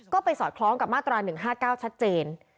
ก็ไปสอดคล้องกับมาตรา๑๕๙ชัดเจน